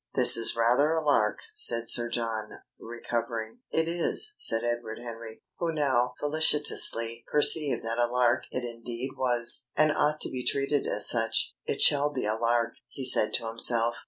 "This is rather a lark," said Sir John, recovering. "It is," said Edward Henry, who now felicitously perceived that a lark it indeed was, and ought to be treated as such. "It shall be a lark!" he said to himself.